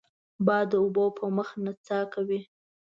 باد د اوبو په مخ نڅا کوي